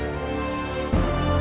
aku akan selalu mencintai kamu